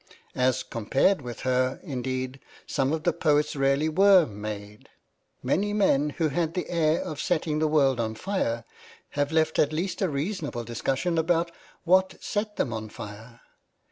As compared with her, indeed, some of the poets really were made. Many men who had the air of setting the world on fire have left at least a reasonable discussion about what set them on fire.